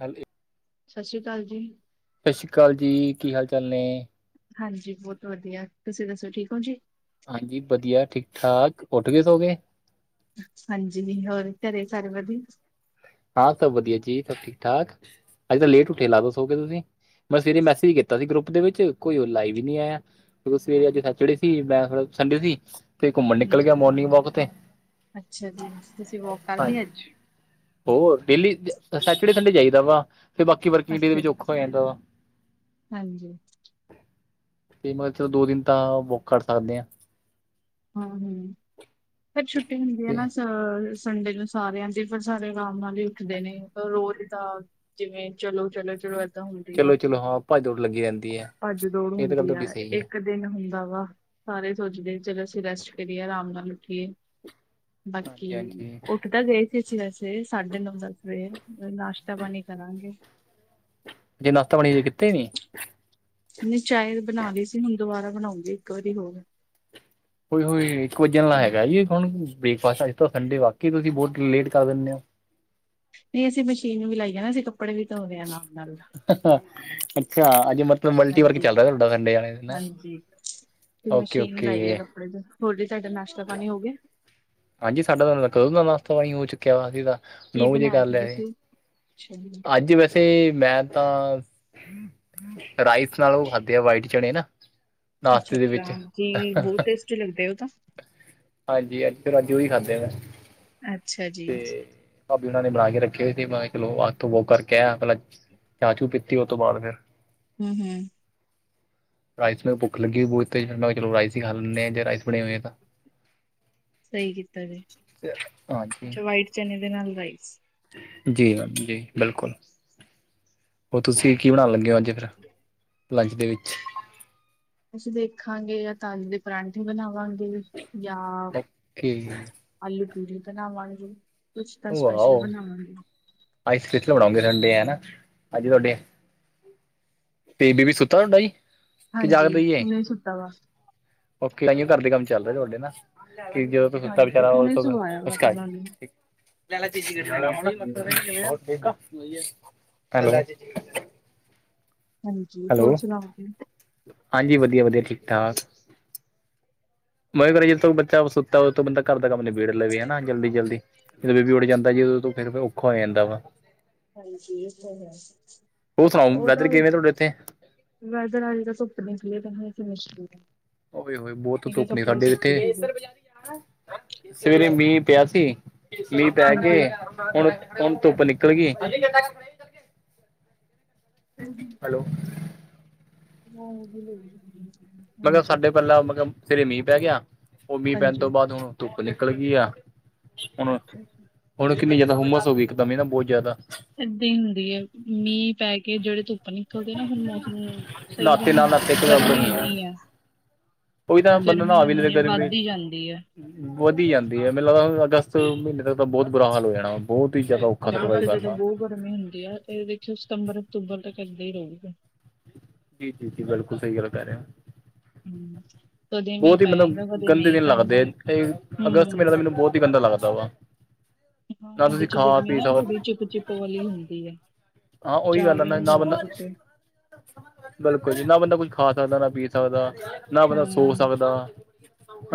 ਹਾਂਜੀ [unintelligible] ਸਤਿ ਸ਼੍ਰੀ ਅਕਾਲ ਜੀ। ਸਤਿ ਸ਼੍ਰੀ ਅਕਾਲ ਜੀ ਕੀ ਹਾਲ ਚਾਲ ਨੇ ਹਾਂਜੀ ਬਹੁਤ ਵਧੀਆ ਤੁਸੀਂ ਦੱਸੋ ਠੀਕ ਹੋ ਜੀ ਹਾਂਜੀ ਵਧੀਆ ਠੀਕ ਠਾਕ ਉੱਠ ਗਏ ਸੋ ਗਏ ਹਾਂਜੀ ਨੀ ਹੋਰ ਘਰੇ ਸਾਰੇ ਵਧੀਆ ਹਾਂ ਸਭ ਵਧੀਆ ਜੀ ਸਭ ਠੀਕ ਠਾਕ ਅੱਜ ਤਾਂ ਲੇਟ ਉੱਠੇ ਲਾ ਦੋ ਸ ਹੋ ਕੇ ਤੁਸੀਂ ਮੈਂ ਸਵੇਰੇ ਮੈਸੇਜ ਕੀਤਾ ਸੀ ਗਰੁੱਪ ਦੇ ਵਿੱਚ ਕੋਈ ਉਹ ਲਾਈਵ ਵੀ ਨਹੀਂ ਆਇਆ ਕਿਉਂਕਿ ਸਵੇਰੇ ਅੱਜ ਸੈਚਡੇ ਸੀ ਮੈਂ ਥੜਾ ਸੰਡੇ ਸੀ ਤੇ ਘੁੰਮਣ ਨਿਕਲ ਗਿਆ ਹਾਂਜੀ। ਮੋਰਨਿੰਗ ਵਾਕ ਤੇ ਅੱਛਾ ਜੀ। ਤੁਸੀਂ ਵੋਕ ਕਰ ਹਜੀ ਲਈ ਅੱਜ? ਉਹ ਡੇਲੀ ਸੈਚਡੇ ਸੰਡੇ ਜਾਈਦਾ ਵਾ ਫਿਰ ਬਾਕੀ ਵਰਕਿੰਗ ਡੇ ਦੇ ਅੱਛਾ ਵਿੱਚ ਜੀ, ਔਖਾ ਹੋ ਜਾਂਦਾ ਵਾ ਹਾਂਜੀ। ਮਤਲਬ ਦੋ ਦਿਨ ਤਾਂ ਵੁੱਕ ਕਰ ਸਕਦੇ ਹਾਂ ਹਮ-ਹਮ ਫਿਰ ਛੁੱਟੀ ਹੁੰਦੀ ਹੈ ਤੇ ਨਾ ਅਹ ਸੰਡੇ ਨੂੰ ਸਾਰਿਆਂ ਦੀ ਫਿਰ ਸਾਰੇ ਆਰਾਮ ਨਾਲ ਹੀ ਉੱਠਦੇ ਨੇ ਰੋਜ਼ ਦਾ ਜਿਵੇਂ ਚਲੋ-ਚਲੋ ਦ ਹੁੰਦੀ ਆ ਚਲੋ ਚਲੋ ਹਾਂ ਭੱਜ ਦੌੜ ਲੱਗੀ ਰਹਿੰਦੀ ਹੈ ਭੱਜ ਦੌੜ ਇਹ ਤਾਂ ਗੱਲ ਹੁੰਦੀ ਆ ਤੁਹਾਡੀ ਸਹੀ ਹੈ ਇੱਕ ਦਿਨ ਹੁੰਦਾ ਵਾ ਸਾਰੇ ਸੋਚਦੇ ਚਲੋ ਅਸੀਂ ਰੈਸਟ ਕਰੀਏ ਆਰਾਮ ਨਾਲ ਉੱਠੀਏ ਹਾਂਜੀ ਬਾਕੀ ਹਾਂਜੀ ਉੱਠ ਤਾਂ ਗਏ ਸੀ ਅਸੀਂ ਵੈਸੇ ਸਾਢੇ ਨੌ ਦਸ ਵਜੇ ਨਾਸ਼ਤਾ ਪਾਣੀ ਕਰਾਂਗੇ ਜੇ ਨਾਸ਼ਤਾ ਪਾਣੀ ਕੀਤਾ ਹੀ ਨੀ ਨਹੀਂ ਚਾਹੇ ਬਣਾ ਲਈ ਸੀ ਹੁਣ ਦੁਬਾਰਾ ਬਣਾਉਂਗੀ ਇੱਕ ਵਾਰੀ ਹੋਰ ਕੋਈ ਹੋ ਇੱਕ ਵੱਜਣ ਨਾਲ ਹੈਗਾ ਜੀ ਹੁਣ ਬ੍ਰੇਕਫਾਸਟ ਅੱਜ ਤੋਂ ਸੰਡੇ ਵਾਕਈ ਤੁਸੀਂ ਬਹੁਤ ਲੇਟ ਕਰ ਦਿੰਦੇ ਹੋ ਨਹੀਂ ਅਸੀਂ ਮਸ਼ੀਨ ਵੀ ਲਾਈਏ ਨਾ ਅਸੀਂ ਕੱਪੜੇ ਵੀ ਧੋਦੇ ਹਾਂ ਨਾਲ ਨਾਲ ਅੱਛਾ ਅੱਜੇ ਮਤਲਬ ਮਲਟੀ ਵਰਕ ਚੱਲਦਾ ਹੈ ਤੁਹਾਡਾ ਸੰਡੇ ਵਾਲੇ ਦਿਨ ਜੀ ਤੇ ਓਕੇ ਮਸ਼ੀਨ ਲਾਈ ਆ ਓਕੇ ਕੱਪੜੇ ਚ ਹੋਰ ਜ ਤੁਹਾਡਾ ਨਾਸ਼ਤਾ ਪਾਣੀ ਹੋ ਗਿਆ ਹਾਂਜੀ ਸਾਡਾ ਤਾਂ ਕਦੋਂ ਦਾ ਨਾਸ਼ਤਾ ਪਾਣੀ ਹੋ ਚੁੱਕਿਆ ਵਾ ਸੀ ਤਾਂ ਕੀ ਨੌ ਵਜੇ ਬਣਾਇਆ ਕਰ ਲਿਆ ਸੀ ਤੁਸੀਂ ਅੱਛਾ ਜੀ ਅੱਜ ਵੈਸੇ ਮੈਂ ਤਾਂ ਰਾਈਸ ਨਾਲ ਉਹ ਖਾਦੇੇ ਆ ਵਾਈਟ ਚਣੇ ਨਾ ਅੱਛਾ ਨਾਸ਼ਤੇ ਦੇ ਵਿੱਚ ਅੱਛਾ ਜੀ ਬਹੁਤ ਟੇਸਟੀ ਲੱਗਦਾ ਹੈ ਉਹ ਤਾਂ ਹਾਂਜੀ ਅੱਜ ਫਿਰ ਅੱਜ ਉਹੀ ਖਾਧੇ ਵੀ ਅੱਛਾ ਜੀ ਤੇ ਭਾਬੀ ਹਨਾਂ ਨੇ ਬਣਾ ਕੇ ਰੱਖੇ ਹੋਏ ਸੀ ਬਾਹਰ ਲੋਕ ਆ ਕੇ ਉਹ ਕਰਕੇ ਆਇ ਪਹਿਲਾਂ ਚਾਹ ਪੀਤੀ ਉਹ ਤੋਂ ਬਾਅਦ ਫਿਰ ਹਮ ਹਮ ਹੂੰ ਰਾਈਸ ਮ ਭੁੱਖ ਲੱਗੀ ਹੋਈ ਬਹੁਤ ਤੇਜ਼ ਚੋ ਰਾਈ ਹੀ ਖਾ ਲੈਂਦੇ ਹ ਜਾਂ ਰਾਈਸ ਬਣੇ ਹੋਏ ਹੈ ਤਾਂ ਸਹੀ ਕੀਤਾ ਹਾਂਜੀ ਜੀ ਵਾਈਟ ਚਨ ਦੇ ਨਾਲ ਰਾਈਸ ਜੀ ਮੈਮ ਜੀ ਬਿਲਕੁਲ ਉਹ ਤੁਸੀਂ ਕੀ ਬਣਾ ਲੈਂਦੇ ਅੱਜ ਫਿਰ ਲੰਚ ਦੇ ਵਿੱਚ ਅਸੀਂ ਦੇਖਾਂਗੇ ਜਾਂ ਆਲੂ ਦੇ ਪਰਾਂਠੇ ਬਣਾਵਾਂਗੇ ਜਾਂ ਓਕੇ ਆਲੂ ਪੂਰੀ ਬਣਾਵਾਂਗੇ ਕੁਛ ਤਾਂ ਸਪੈਸ਼ਲ ਬਣਾਵਾਂਗੇ ਆਈਸ ਕਿੱਥੇ ਬਣਾਉਂਗੇ ਸੰਡੇ ਹਨਾ ਅੱਜ ਤੁਹਾਡੇ ਤੇ ਬੇਬੀ ਸੁੱਤਾ ਤੁਹਾਡਾ ਜੀ ਕਿ ਹਾਂਜੀ ਹੁਣ ਇਹ ਸੁੱਤਾ ਵਾ ਓਖੇ ਆਓ ਘਰ ਦੇ ਕੰਮ ਚੱਲ ਰਿਹਾ ਤੁਹਾਡੇ ਨਾ ਜਦੋਂ ਤੂੰ ਸੁੱਤਾ ਹਾਂਜੀ ਵਿਚਾਰਾ ਹੁਣੇ ਉਦੋਂ ਸਵਾਇਆ ਵਾ ਮੁਸ਼ਕਾਈ ਤੁਹਾਨੂੰ ਜੀ ਹਾਂਜੀ ਹੋਰ ਹੈਲੋ ਸੁਣਾਓ ਜੀ ਹਾਂਜੀ, ਵਧੀਆ- ਵਧੀਆ। ਠੀਕ- ਠਾਕ। ਮੈਂ ਕੇ ਰਿਆ, ਜਦੋਂ ਬੱਚਾ ਸੁੱਤਾ ਹੋ, ਤੋ ਬੰਦਾ, ਘਰ ਦਾ ਕੰਮ ਨਬੇੜ ਲਵੇ, ਹਨਾ। ਜਲਦੀ- ਜਲਦੀ, ਜਦੋਂ ਬੇਬੀ ਉੱਠ ਜਾਂਦਾ ਜੀ, ਉਦੋਂ ਫੇਰ ਔਖਾ ਹੋ ਜਾਂਦਾ ਵਾ। ਹਾਂਜੀ, ਇਸੇ ਹੀ ਹੈ। ਹੋਰ ਸੁਣਾਓ ਉਹ, ਵੈਦਰ ਤਾਂ। ਕਿਵੇਂ ਤੁਹਾਡੇ ਇੱਥੇ ਮੈਂ ਕਿਹਾ ਧੁੱਪ ਨਿਕਲੀ ਅੱਜ ਓਏ ਹੀ, ਬਹੁਤ ਧੁੱਪ ਨੇ ਸਾਡੇ ਇੱਥੇ। ਜੂਗੇ ਸਵੇਰੇ ਮੀਂਹ, ਪਿਆ ਸੀ। ਮੀਹ ਪੈ ਕੇ। ਹਾਂਜੀ ਹੁਣ, ਹੁਣ ਧੁੱਪ, ਨਿਕਲ ਗਈ। ਹੂੰ। ਹੈਲੋ। ਹਾਂ [unintelligible] ਬੋਲੋ ਮੈਂ ਕਿਹਾ ਸਾਡੇ ਪਹਿਲਾਂ, ਮਤਲਬ ਸਵੇਰੇ ਮੀਂਹ ਪੈ ਗਿਆ। ਉਹ ਮੀਂਹ ਪੈਣ ਤੋਂ ਬਾਅਦ, ਹੁਣ ਧੁੱਪ ਨਿਕਲ ਗਈ ਆ। ਹੁਣ ਅੱਛਾ ਜੀ। ਹੁਣ, ਕਿੰਨੀ ਜ਼ਿਆਦਾ, ਹੁੰਮਸ ਹੋ ਗਈ। ਇੱਕਦਮ ਹੀ ਨਾ, ਬਹੁਤ ਜ਼ਿਆਦਾ। ਏਦਾਂ ਹੀ ਹੁੰਦੀ ਹੈ। ਮੀਂਹ ਪੈ, ਕੇ ਜਿਹੜੇ ਧੁੱਪ। ਨਿਕਲਦੇ ਨਾ ਫੇਰ, ਮੌਸਮ ਸਹੀ ਤਾਂ ਨਹਾਤੇ ਨੀ ਨਾਲ ਨਹਾਤੇ ਹੁੰਦਾ। ਘਬਰਾਹਟ ਗਰਮੀ ਬਣੀ ਆ ਓਨੀ ਹੈ। ਉਹੀ ਤਾਂ ਬੰਦਾ ਗਰਮੀ ਨਹਾ ਵੀ ਲਵੇ ਐਨੀ, ਵੱਧ ਗਰਮੀ ਦੀ ਹੀ, ਜਾਂਦੀ ਹੈ। ਵਧੀ ਜਾਂਦੀ ਹੈ। ਮੈਨੂੰ ਲੱਗਦਾ ਅਗਸਤ ਮਹੀਨੇ, ਤੱਕ ਤਾਂ ਬਹੁਤ ਬੁਰਾ, ਹਾਲ ਹੋ ਜਾਣਾ। ਬਹੁਤ ਹੀ, ਜਿਆਦਾ। ਅਗਸਤ ਚ ਤਾਂ ਬਹੁਤ ਗਰਮੀ ਹੁੰਦੀ ਆ। ਇਹ ਦੇਖਿਓ ਸਤੰਬਰ, ਅਕਤੂਬਰ ਤੱਕ ਇੱਦਾਂ ਹੀ ਰਹੂ। ਜੀ, ਜੀ- ਜੀ ਬਿਲਕੁਲ, ਸਹੀ ਗੱਲ ਕਰਹਿ ਰਹੇ ਹੋ। ਹੂੰ। ਕਦੇ ਮੀਂਹ ਬਹੁਤ ਹੀ ਪੈ ਮਤਲਬ, ਜਾਂਦਾ ਕਦੇ ਗੰਦੇ ਨਹੀਂ ਦਿਨ ਪੈਂਦਾ। ਲੱਗਦੇ ਆ। ਅਗਸਤ ਮਹੀਨੇ ਦਾ, ਹੂੰ। ਮੈਨੂੰ ਬਹੁਤ ਹੀ, ਗੰਦਾ ਲੱਗਦਾ ਵਾ। ਹਾਂ। ਨਾ ਉਹਦੇ ਤੁਸੀਂ ਚ, ਖਾ ਗਰਮੀ ਪੀ ਨਾ, ਸਕੋ ਥੋੜੀ ਚਿਪ- ਚਿਪ ਵਾਲੀ ਹੁੰਦੀ ਐ। ਹਾਂ, ਉਹੀ ਗੱਲ ਹੈ ਨਾ। ਨਾ, ਬੰਦਾ ਬਿਲਕੁਲ ਜੀ। ਨਾ ਬੰਦਾ ਕੁੱਝ ਖਾ ਸਕਦਾ, ਨਾ ਪੀ ਸਕਦਾ। ਨਾ ਬੰਦਾ ਸੋ ਹੂੰ। ਸਕਦਾ,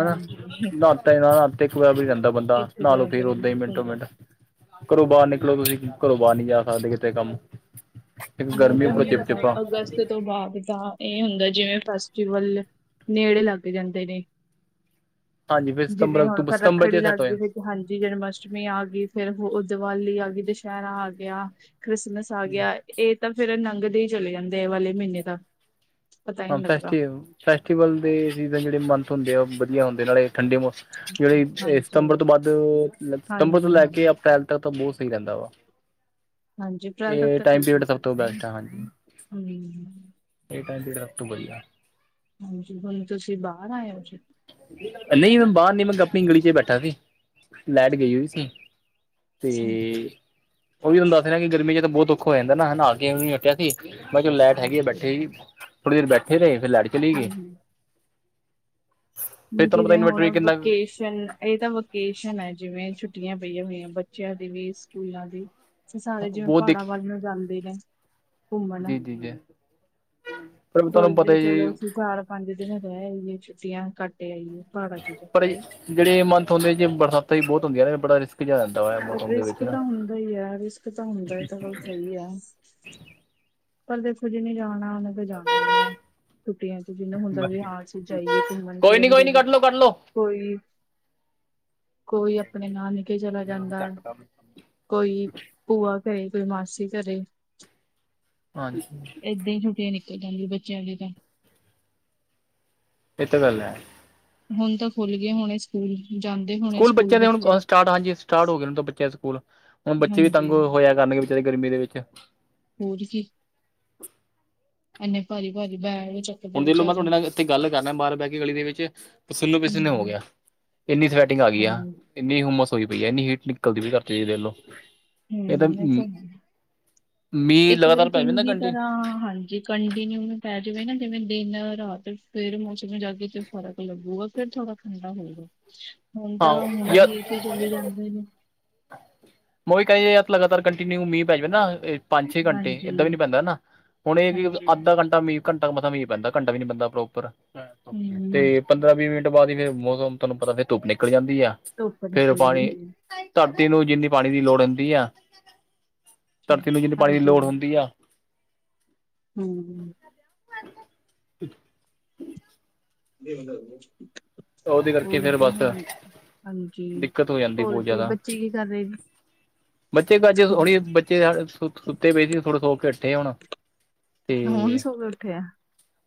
ਹਨਾ। ਨਾਤੇ, ਨਾ ਨਾਤੇ ਇੱਕ ਬਰਾਬਰ ਹੀ ਹੈ। ਬੰਦਾ ਇੱਕ ਨਾਲੋਂ, ਬਰਾਬਰ ਫੇਰ ਉਦੇ ਹੀ ਰਹਿੰਦੀ ਸਹੀ ਮਿੰਟੋ- ਗੱਲ ਮਿੰਟ। ਆ। ਘਰੋਂ ਬਾਹਰ ਨਿਕਲੋ ਤੁਸੀਂ, ਘਰੋਂ ਬਾਹਰ ਨਹੀ ਜਾ ਸਕਦੇ। ਕਿਤੇ ਕੰਮ। ਇੱਕ ਬਹੁ ਗਰਮੀ ਤਾਂ, ਉੱਪਰੋਂ ਹੁਣੇ ਚਿਪ ਤਾਂ, ਅਗਸਤ ਚਿਪਾ ਤੋਂ ਬਾਅਦ ਤਾਂ। ਇਹ ਹੁੰਦਾ, ਜਿਵੇਂ ਫੈਸਟੀਵਲ, ਨੇੜੇ ਲੱਗ ਜਾਂਦੇ ਨੇ। ਹਾਂਜੀ ਫਿਰ ਜਿਵੇਂ ਸਤੰਬਰ ਹੁਣ, ਅਕਤੂਬਰ ਸਤੰਬਰ ਰੱਖੜੀ ਚ ਸੈੱਟ ਹੋ ਲੱਗ ਗਈ। ਜਾਣ ਹਾਂਜੀ। ਜਨਮ- ਅਸ਼ਟਮੀ ਆ ਗਈ। ਫੇ ਉਹ ਦੀਵਾਲੀ ਆ ਗਈ, ਦੁਸਹਿਰਾ ਆ ਗਿਆ। ਕ੍ਰਿਸਮਸ। ਆ ਜੀ ਗਿਆ। ਇਹ ਤਾਂ ਫੇਰ ਨੰਗਦੇ ਹੀ, ਚਲੇ ਜਾਂਦੇ। ਆ ਵਾਲੇ ਮਹੀਨੇ ਤਾਂ। ਪਤਾ ਹੀ ਹਾਂ, ਨਹੀਂ ਫੈਸ ਲੱਗਦਾ ਫੈਸਟੀਵਲ ਦੇ ਸੀਜ਼ਨ, ਜਿਹੜੇ ਮੰਥ ਹੁੰਦੇ ਆ। ਉਹ ਵਧੀਆ ਹੁੰਦੇ ਆ, ਨਾਲੇ ਠੰਡੇ। ਜਿਵੇਂ ਹਾਂਜੀ ਸਤੰਬਰ ਤੋਂ ਬਧ, ਸਤੰਬਰ ਹਾਂਜੀ ਤੋਂ ਲੈ ਕੇ, ਹਾਂਜੀ ਅਪ੍ਰੈਲ ਤੱਕ ਤਾਂ, ਬਹੁਤ ਸਹੀ ਰਹਿੰਦਾ ਵਾ। ਹਾਂਜੀ ਅਪ੍ਰੈਲ ਤੱਕ ਇਹ ਤਾਂ ਟਾਈਮ ਠੀਕ ਪੀਰੀਅਡ, ਸਭ ਹੁੰਦੀ ਤੋਂ ਬੈਸਟ ਆ ਜੀ। ਹਮ ਇਹ, ਟਾਈਮ ਪੀਰੀਅਡ, ਸਭ ਤੋਂ ਵਧੀਆ। ਹਾਂਜੀ। ਹੁਣ ਤੁਸੀਂ, ਬਾਹਰ ਆਏ ਹੋ ਜੀ। ਨਹੀਂ ਮੈਂ ਬਾਹਰ ਨੀ। ਮੈਂ ਤ ਆਪਣੀ ਗਲੀ ਚ ਬੈਠਾ ਸੀ। ਲੈਟ ਗਈ ਹੋਈ ਸੀ। ਤੇ ਜੀ ਉਹ ਵੀ ਤੁਹਾਨੂੰ, ਦੱਸਣਾ ਕਿ, ਗਰਮੀ ਚ ਤੇ, ਬਹੁਤ ਔਖਾ ਹੋ ਜਾਂਦਾ। ਹਨਾ। ਹੁਣੇ ਉੱਠਿਆ ਸੀ। ਮੈਂ ਕਿਹਾ ਲਾਈਟ ਹੈਗੀ ਆ ਹਾਂਜੀ ਬੈਠੇ ਸੀ। ਥੋੜੀ ਦੇਰ ਬੈਠੇ ਰਹੇ, ਫੇਰ ਲਾਈਟ ਚਲੀ ਗਈ ਆ। ਹਮ ਫਿਰ ਤੁਹਾਨੂੰ ਪਤਾ ਜਿਵੇਂ ਇਨਵਰਟਰ ਹੁਣ, ਵੀ ਕਿੰਨਾ ਵਿਕੇਸ਼ ਇਹ ਤਾਂ ਵੋਕੇਸ਼ਨ ਹੈ, ਜਿਵੇਂ। ਛੁੱਟੀਆਂ, ਪਈਆਂ ਹੋਈਆਂ ਬੱਚਿਆਂ ਦੀ ਵੀ, ਸਕੂਲਾਂ ਦੀ। ਸਾਰੇ ਜਿਵੇਂ, ਉਹ ਦੇਖ ਪਹਾੜਾਂ ਵੱਲ ਨੂੰ, ਜਾਂਦੇ ਨੇ। ਘੁੰਮਣ। ਜੀ ਜੀ ਜੀ ਪਰ ਤੁਹਾਨੂੰ ਪਤਾ ਸੋਚਦੇ ਜੀ ਚੱਲੋ ਅਸੀਂ, ਸਾਰ- ਪੰਜ ਦਿਨ ਰਹਿ ਆਈਏ। ਛੁੱਟੀਆਂ ਘੱਟ ਆਈਏ ਪਹਾੜਾਂ ਚ, ਜਾ ਪਰ ਕੇ। ਜਿਹੜੇ ਮੰਥ ਹੁੰਦੇ ਜੇ, ਬਰਸਾਤਾ ਹੀ, ਬਹੁਤ ਹੁੰਦੀਆਂ ਨੇ, ਬੜਾ ਰਿਸਕੀ ਜਿਹਾ। ਵਾ ਮੌਸਮ ਦੇ ਰਿਸਕ ਵਿੱਚ ਨਾ ਤਾਂ ਹੁੰਦਾ ਹੀ ਹੈ। ਰਿਸਕ ਤਾਂ ਹੁੰਦਾ ਹੀ, ਤਾਂ ਗੱਲ ਸਹੀ ਆ। ਪਰ ਰਿਸਕ ਚ, ਨੀ ਜਾਣਾ। ਜਾਣਾ ਹੀ ਹੈ ਛੁੱਟੀਆਂ ਚ ਜਿਨੂੰ ਹੁੰਦਾ ਹਾਂ ਅਸੀਂ ਜਾਈਏ ਘੁੰਮਣ ਕੋਈ ਨੀ ਫਿਰਨ ਕੋਈ ਨੀ ਮੇਲੇ ਕੱਢ ਲੋ ਕੱਢ ਲੋ ਕੋਈ ਕੋਈ ਆਪਣੇ ਨਾਨਕੇ ਚਲਾ ਜਾਂਦਾ ਹੈ ਕੋਈ ਭੂਆ ਘਰੇ ਕੋਈ ਮਾਸੀ ਘਰੇ ਹਾਂਜੀ ਇਦਾਂ ਹੀ ਛੁੱਟੀਆਂ ਨਿਕਲ ਜਾਂਦੀ ਬੱਚਿਆਂ ਦੀ ਤਾਂ ਇਹ ਤਾਂ ਗੱਲ ਹੈ ਹੁਣ ਤਾਂ ਖੁੱਲ ਗਏ ਹੋੁਣੇ ਸਕੂਲ ਜਾਂਦੇ ਹੋਣੇ ਸਕੂਲ ਬੱਚਿਆਂ ਦੇ ਬੱਚੇ ਹੁਣ ਸਟਾਰਟ ਹਾਂਜੀ ਸਟਾਰਟ ਹੋ ਗਏ ਬੱਚੇ ਦੇ ਸਕੂਲ ਹੁਣ ਬੱਚੇ ਵੀ ਹਾਂਜੀ ਤੰਗ ਹੋਇਆ ਕਰਨ ਤੇ ਗਰਮੀ ਦੇ ਵਿੱਚ ਹੋਰ ਕੀ ਇੰਨੇ ਭਾਜੀ ਭਾਜੀ ਬੈਗ ਹੁਣ ਚੱਕਦੇ ਦੇਖਲੋ ਮੈਂ ਤੁਹਾਡੇ ਵਿਚਾਰੇ ਨਾਲ ਇੱਥੇ ਗੱਲ ਕਰਨਾ ਬਾਹ ਬਹਿ ਕੇ ਗਲੀ ਦੇ ਵਿੱਚ ਪਸੀਨੋ ਪਸੀਨੀ ਹੋ ਹੂੰ, ਗਿਆ ਇੰਨੀ ਸੈਟਿੰਗ ਆ ਗਈ ਹਾਂ, ਆ ਹੂੰ, ਇੰਨੀ ਹੁੰਮਸ ਹੋਈ ਪਈ ਹੈ ਇੰਨੀ ਹੀਟ ਨਿਕਲਦੀ ਪਈ ਰਾਤੀ ਦੇਖ ਲਓ ਇਹ ਤਾਂ [unintelligible] ਹੈ। ਇੱਕ ਵਾਰੀ ਜਾਂਦਾ ਚੰਗੀ ਕੰਟੀਨ ਤਰ੍ਹਾਂ ਹਾਂਜੀ ਕੰਟੀਨਿਊ ਨੂੰ ਪੈ ਜਾਵੇ ਨਾ ਜਿਵੇਂ ਦਿਨ ਰਾਤ ਫਿਰ ਮੌਸਮ ਜਾ ਕੇ ਤੇ ਫਰਕ ਲੱਗੂਗਾ ਫਿਰ ਥੋੜਾ ਠੰਡਾ ਹੋਊਗਾ ਹੁਣ ਤਾਂ ਹਾਂ ਹੁਣੇ ਵੀ ਇਹੋ ਚਲੀ ਜਾਂਦੇ ਨੇ ਮ ਵੀ ਕਹਿ ਲਗਾਤਾਰ ਕੰਟੀਨਿਊ ਮੀਂਹ ਪੈ ਜਾਵੇ ਨਾ ਪੰਜ ਛੇ ਘੰਟੇ ਹਾਂਜੀ। ਇਦਾਂ ਵੀ ਨਹੀਂ ਪੈਂਦਾ ਨਾ ਹੁਣ ਇਹ ਹਾਂਜੀ, ਅੱਧਾ ਘੰਟਾ ਘੰਟਾ ਮਤਾ ਮੀਂਹ ਪੈਂਦਾ ਘੰਟਾ ਵੀ ਨਹੀਂ ਬੰਦਾ ਪ੍ਰੋਪਰ ਹੂੰ, ਤੇ ਪੰਦਰਾਂ ਵੀਹ ਮਿੰਟ ਬਾਅਦ ਮੌਸਮ ਪਤਾ ਧੁੱਪ ਨਿਕਲ ਜਾਂਦੀ ਆ ਧੁੱਪ ਫਿਰ ਨਿਕਲ ਜਾਂਦੀ ਪਾਣੀ ਹੈ ਧਰਤੀ ਨੂੰ ਜਿੰਨੀ ਪਾਣੀ ਦੀ ਲੋੜ ਹੁੰਦੀ ਆ ਅੱਛਾ। ਧਰਤੀ ਨੂੰ ਜਿਹਨੂੰ ਪਾਣੀ ਦੀ ਹਾਂਜੀ, ਲੋੜ ਹੂ ਹੂ,,, [unintelligible] ਉਹਦੇ ਕਰਕੇ ਹੋਰ ਫਿਰ ਕੀ ਬਸ ਹੋਰ ਹਾਂਜੀ ਦਿੱਕਤ ਹੋ ਜਾਂਦੀ ਹੋਰ ਬਹੁਤ ਕੀ ਜ਼ਿਆਦਾ ਬੱਚੇ ਕੀ ਕਰ ਰਹੇ ਨੇ ਬੱਚੇ ਤਾਂ ਅੱਜ ਹੁਣੇ ਬੱਚੇ ਸੁੱਤੇ ਪਏ ਸੀ ਥੋੜੇ ਤੋਂ ਸੋ ਕੇ ਹੱਟੇ ਹੁਣ ਹੁਣ ਤੇ ਸੋ ਕੇ ਉੱਠਿਆ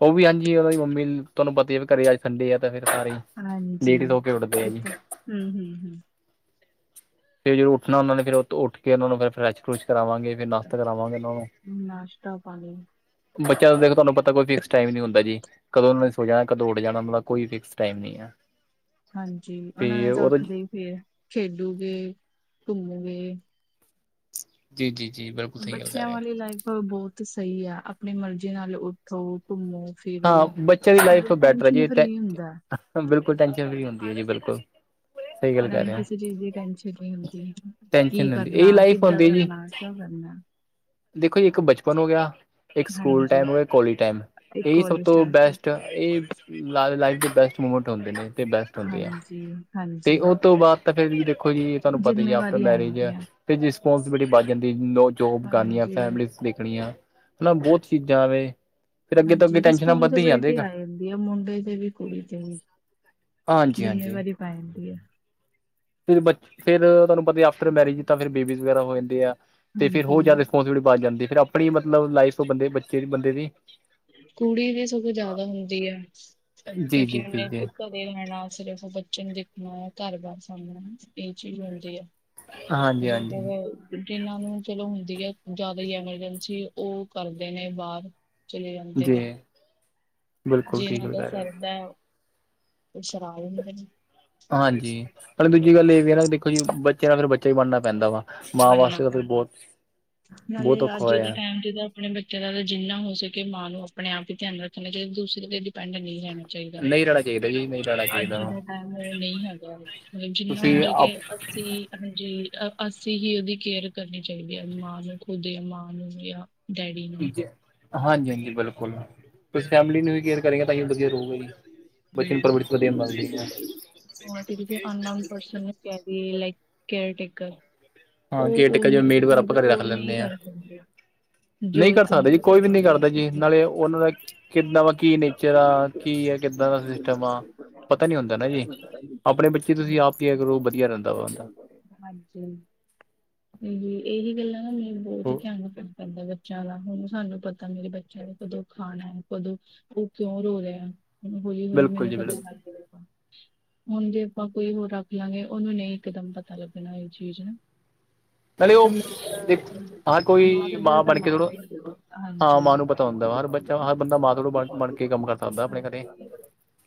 ਉਹ ਵੀ ਹਾਂਜੀ ਉਹਨਾਂ ਦੀ ਮੰਮੀ ਤੁਹਾਨੂੰ ਪਤਾ ਘਰੇ ਅੱਜ ਸੰਡੇ ਆ ਤਾ ਫਿਰ ਸਾਰੇ ਹਾਂਜੀ ਲੇਟ ਹੀ ਸੋ ਕੇ ਉੱਠਦੇ ਆ ਇਹ ਜੀ ਤਾਂ ਹੂ ਹੂ ਤੇ ਫਿਰ ਉੱਠਣਾ ਉਹਨਾਂ ਨੇ ਉੱਠ ਕੇ ਫਰੈਸ਼ ਫਰੈਸ਼ ਕਰਾਵਾਂਗੇ ਤੇ ਨਾਸਤਾ ਕਰਾਵਾਂਗੇ ਉਹਨਾਂ ਨੂੰ ਹੂੰ, ਨਾਸ਼ਤਾ ਪਾਣੀ ਬੱਚਾ ਦੇਖ ਤੁਹਾਨੂੰ ਪਤਾ ਕੋਈ ਫਿਕਸ ਟਾਈਮ ਨਹੀਂ ਹੁੰਦਾ ਜੀ ਕਦੋਂ ਉਹਨਾਂ ਨੇ ਸੋਚਿਆ ਉਠ ਜਾਣਾ ਹੁੰਦਾ ਕੋਈ ਫਿਕਸ ਟਾਈਮ ਨਹੀਂ ਕਿਆ ਹਾਂਜੀ ਉਹਨਾਂ ਨੇ ਵੱਖਰੇ ਪਏ ਖੇਡੋਗੇ ਧੂਲੇ ਵੇ ਜੀ ਜੀ ਜੀ ਬਿਲਕੁਲ ਸਹੀ ਗੱਲ ਕਹਿ ਬੱਚਿਆਂ ਰਹੇ ਹੋ ਵਾਲੀ ਲਾਈਫ ਬਹੁਤ ਸਹੀ ਆ ਆਪਣੀ ਮਰਜ਼ੀ ਨਾਲ ਉਥੋਂ ਘੁੰਮੋ ਫਿਰ ਹਾਂ ਉਹ ਨਾਲ ਭੈਣ ਜੀ ਇਹੀ ਹੁੰਦਾ ਆਪਾਂ ਬਿਲਕੁਲ ਟੈਸ਼ਨ ਫਰੀ ਹੁੰਦੀ ਹੈ ਜੀ ਬਿਲਕੁਲ ਸਹੀ ਗੱਲ ਇਹਨਾਂ ਕਹਿ ਨੂੰ ਰਹੇ ਹੋ ਕਿਸੇ ਚੀਜ਼ ਦੀ ਟੈਸ਼ਨ ਨਹੀਂ ਹੁੰਦੀ ਟੈਨਸ਼ਨ ਕੀ ਨਹੀਂ ਹੁੰਦੀ ਕਰਨਾ ਇਹੀ ਲਾਈਫ ਕਿੱਦਾਂ ਦਾ ਹੁੰਦੀ ਹੈ ਜੀ ਕਰਨਾ ਕਿਉਂ ਕਰਨਾ ਦੇਖੋ ਜੀ ਇੱਕ ਬਚਪਨ ਹੋ ਗਿਆ ਇਕ ਸਕੂਲ ਹਾਂਜੀ ਟਾਈਮ ਉਹ ਕੋਲਜ ਟਾਈਮ ਇਹ ਇੱਕੋ ਸਭ ਵਾਲੀ ਤੋਂ ਸਟਾਰਟ ਬੈਸਟ ਇਹ ਲਾਈਫ ਦੇ ਬੈਸਟ ਮੂਮੈਂਟ ਹੁੰਦੇ ਨੇ ਬੈਸਟ ਹਾਂਜੀ ਤੇ ਹਾਂਜੀ ਉਸ ਤੋਂ ਬਾਅਦ ਤਾ ਫਿਰ ਦੇਖੋ ਜੀ ਤੁਹਾਨੂੰ ਪਤਾ ਆਫਟਰ ਜਿੰਮੇਵਾਰੀ ਆ ਮੈਰਿਜ ਜਾਂਦੀ ਆ ਤੇ ਰਿਸਪਾਂਸੀ ਬਿਲਿਟੀ ਵੱਧ ਜਾਂਦੀ ਨੋ ਜੋਬ ਕਰਨੀ ਹਾਂਜੀ ਫੈਮਲੀ ਦੇਖਣੀਆਂ ਮਤਲਬ ਬਹੁਤ ਚੀਜ਼ਾਂ ਵੇ ਫਿਰ ਅੱਗੇ ਤੋਂ ਅੱਗੇ ਹਾਂਜੀ ਟੈਨਸ਼ਨਾਂ ਰਿਸਪੋਂਸੀ ਵੱਧ ਹੀ ਬਿਲਟੀ ਜਾਂਦੇਗਾ ਆ ਜਾਂਦੀ ਮੁੰਡੇ ਦੇ ਵੀ ਕੁੜੀ ਤੇ ਵੀ ਹਾਂਜੀ ਹਾਂਜੀ ਜਿੰਮੇਵਾਰੀ ਪੈ ਜਾਂਦੀ ਹੈ ਫਿਰ ਬੱਚੀ ਫਿਰ ਤੁਹਾਨੂੰ ਪਤਾ ਆਫਟਰ ਮੈਰਿਜ ਤਾਂ ਫਿਰ ਇਹ ਬੇਬੀ ਵਗੈਰਾ ਹੋ ਜਾਂਦੇ ਨੇ ਤੇ ਫਿਰ ਉਹ ਜਦ ਹਾਂਜੀ ਰਿਸਪੋਂਸਬਿਲੀਟੀ ਵਧ ਜਾਂਦੀ ਫਿਰ ਆਪਣੀ ਮਤਲਬ ਲਾਈਫ ਬੰਦੇ ਬੱਚੇ ਬੰਦੇ ਸੀ ਕੁੜੀ ਦੀ ਸਗੋਂ ਜਿਆਦਾ ਹੁੰਦੀ ਐ, ਜੀ ਕਿਉਂਕਿ ਜੀ ਜੀ ਜੀ ਉਨ [unintelligible] ਸਿਰਫ ਬੱਚੇ ਨੂੰ ਵੇਖਣਾ ਘਰ ਬਾਰ ਸਾਂਭਣਾਂ, ਇਹ ਚੀਜ ਹੁੰਦੀ ਐ। ਹਾਂਜੀ ਜੇ ਬ ਹਾਂਜੀ [unintelligible] ਜਿਨਾਂ ਨੂੰ ਚਲੋ ਜਿਆਦਾ ਹੀ ਐਮਰਜੈਂਸੀ ਉਹ ਕਰਦੇ ਨੇ ਬਾਹਰ ਚਲੇ ਜਾਂਦੇ ਜੀ ਨੇ ਬਿਲਕੁਲ ਠੀਕ ਜਿਨਾ ਗੱਲ ਦਾ ਹੈਗਾ ਸਰਦੈ ਉਹ [unintelligible] ਹਾਂਜੀ ਪਰ ਦੂਜੀ ਗੱਲ ਇਹ ਵੀ ਨਾ ਦੇਖੋ ਜੀ ਬੱਚੇ ਨਾ ਫਿਰ ਬੱਚਾ ਹੀ ਬਣਨਾ ਪੈਂਦਾ ਵਾ ਮਾਂ ਬਣਨਾ ਵਾਸਤੇ ਤਾਂ ਪੈਂਦਾ। ਬਹੁਤ ਨਾਲੇ ਔਖਾ ਅੱਜ ਦੇ ਹੋਇਆ ਟਾਈਮ ਚ ਤਾਂ ਜਿੰਨਾ ਹੋ ਸਕੇ ਮਾਂ ਨੂੰ ਆਪਣੇ ਆਪ ਹੀ ਧਿਆਨ ਰੱਖਣਾ ਚਾਹੀਦਾ ਦੂਸਰੇ ਤੇ ਡਪੈਂਡ ਨਹੀਂ ਰਹਿਣਾ ਚਾਹੀਦਾ ਨਹੀਂ ਰਹਿਣਾ ਚਾਹੀਦਾ ਜੀ ਨਹੀਂ ਰਹਿਣਾ ਅੱਜ ਚਾਹੀਦਾ ਵਾ ਦੇ ਟਾਇਮ ਇਹ ਨਈਂ ਹੈਗਾ, ਜਿੰਨਾ ਤੁਸੀਂ ਆਪ [unintelligible] ਅਸੀਂ ਹੀ ਉਹਦੀ ਕੇਅਰ ਕਰਨੀ ਚਾਹੀਦੀ ਆ ਮਾਂ ਨੂੰ ਦੇ ਮਾਂ ਡੈਡੀ ਨੂੰ ਹਾਂਜੀ ਬਿਲਕੁਲ ਕੋਈ ਫੈਮਲੀ ਨਹੀਂ ਹੋਈ ਗੇਅਰ ਕਰੇ ਤਾਂ ਵਧੀਆ ਰਹੂਗਾ ਜੀ ਹਾਂਜੀ ਹੁਣ ਅਸੀਂ [unintelligible] ਹੁਣ ਜੇ ਅਸੀਂ ਕਿਸੇ ਅਨਨੋਨ ਪਰਸਨ ਨੂੰ ਕਹਿ ਦਈ, ਲਾਇਕ ਕੇਅਰ ਟੇਕਰ ਹਾਂ ਕੇਅਰ ਉਹ ਟੇਕਰ ਜਿਵੇਂ ਉਨੀ ਅਸੀਂ ਕੁ ਮੇਡ ਵਗੈਰਾ ਚੀਜ਼ ਘਰੇ ਰੱਖ ਉਹ ਨਹੀਂ ਲੈਂਦੇ ਆਂ ਕਰ ਸਕਦੇ ਨਹੀਂ ਜੋ ਕਰ ਇੱਕ ਸਕਦੇ ਜੀ। ਮਾਂ ਕੋਈ ਵੀ ਨਹੀਂ ਕਰਦੀ ਕਰਦਾ ਜੀ ਹੈ ਨਾਲੇ ਉਹਨਾਂ ਦਾ ਕਿੱਦਾਂ ਵਾ, ਕੀ ਨੇਚਰ ਆ। ਕੀ ਆ, ਕਿੱਦਾਂ ਦਾ ਸਿਸਟਮ ਆ ਪਤਾ ਨੀ ਹੁੰਦਾ ਨਾ ਜੀ ਆਪਣੇ ਬੱਚੇ ਤੁਸੀਂ ਆਪ ਕਿ ਅਗਰ ੳਹ ਵਧੀਆ ਰਹਿੰਦਾ ਵਾ ਹਾਂਜੀ ਜ ਇਹੀ ਗੱਲਾਂ ਨਾ ਮੈਨੂੰ ਬਹੁਤ ਧਿਆਨ ਰੱਖਣਾ ਪੈਂਦਾ ਵ ਬੱਚਿਆਂ ਦਾ ਹੁਣ ਸਾਨੂੰ ਪਤਾ ਮੇਰੇ ਬੱਚਿਆਂ ਨੇ ਕਦੋਂ ਖਾਣੈ ਕਦੋਂ ਉਹ ਕਿਉਂ ਰੋ ਰਿਹਾ ਹੈ। ਹੌਲੀ, ਹੌਲੀ ਬਿਲਕੁਲ ਮੈਨੂੰ ਜੀ ਪਤਾ ਬਿਲਕੁਲ ਲੱਗ ਜੇਗਾ। ਹੁਣ ਜੇ ਆਪਾਂ ਕੋਈ ਹੋਰ ਰੱਖ ਲਾਂਗੇ ਉਹਨੂੰ ਨਹੀਂ ਇੱਕਦਮ ਪਤਾ ਲੱਗਣਾ ਇਹ ਚੀਜ਼। ਨਾਲੇ ਉਹ ਮਾਂ ਦਾ, ਹਰ ਮਾਂ ਕੋਈ ਦਾ ਦਿਲ ਤਾ ਬਣ ਮਾਂ ਕੇ ਦਾ ਥੋੜ੍ਹਾ ਹੀ ਹੁੰਦਾ। ਹਾਂ ਹਾਂਜੀ। ਮਾਂ ਨੂੰ ਪਤਾ ਹੁੰਦਾ ਵਾ ਹਰ ਬੱਚਾ ਹਰ ਬੰਦਾ ਮਾਂ ਤੋਂ ਬਣ ਬਣ ਕੇ ਕੰਮ ਕਰ ਸਕਦਾ ਆਪਣੇ ਘਰੇ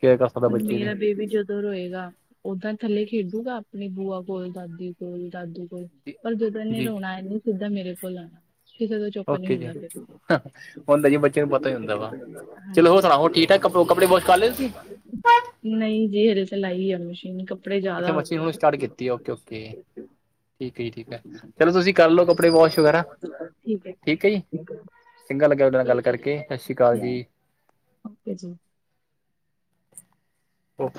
ਕੇਅਰ ਕਰ ਸਕਦਾ [unintelligible] ਬੱਚੇ ਦੀ ਮੇਰਾ ਬੇਬੀ ਜਦੋਂ ਰੋਏਗਾ, ਓਦਾਂ ਥੱਲੇ ਖੇਡੂਗਾ ਆਪਣੀ ਬੂਆ ਕੋਲ, ਦਾਦੀ ਕੋਲ, ਦਾਦੂ ਕੋਲ ਜੀ ਪਰ ਜਦੋਂ ਇਨੇ ਜੀ ਜੀ ਰੋਣੈ ਇਹਨੇ ਸਿੱਧਾ ਮੇਰੇ ਕੋਲ ਆਣੈ। ਕਿਸੇ ਤੋਂ ਚੁੱਪ ਨੀ ਓਕੇ ਜੀ ਹੁੰਦਾ ਫਿਰ ਹੁੰਦਾ ਜੀ ਬੱਚੇ ਨੂੰ [unintelligible] ਹਾਂਜੀ। ਤਹ ਕੱਪੜੋ, ਕੱਪੜੇ ਵਾਸ਼ ਕਰ ਲਏ ਤੁਸੀਂ ਨਹੀਂ ਜੀ ਹਜੇ ਤੇ ਲਾਈ ਆ ਮਸ਼ੀਨ ਕ ਅੱਛਾ, ਮਸੀ਼ਨ ਹੁਣ ਸਟਾਰਟ ਕੀਤੀ ਓਕੇ, ਓਕੇ। ਠੀਕ ਹੈ ਜੀ, ਠੀਕ ਹੈ ਚਲੋ ਤੁਸੀਂ ਕਰ ਲਉ ਕੱਪੜੇ ਵੋਸ਼ ਵਗੈਰਾ ਠੀਕ ਹੈ ਜੀ। ਚੰਗਾ ਲੱਗਿਆ ਤੁਹਾਡੇ ਨਾਲ ਗੱਲ ਕਰਕੇ 'ਸਤਿ ਸ਼੍ਰੀ ਅਕਾਲ' ਜੀ। ਓਕੇ ਜੀ। ਉਹ